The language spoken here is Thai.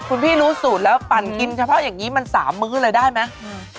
คุณพี่รู้สูตรแล้วปั่นกินเฉพาะอย่างนี้มัน๓มื้อเลยได้ไหม